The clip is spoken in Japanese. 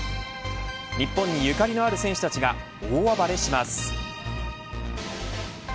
日本に縁のある選手たちが大暴れします。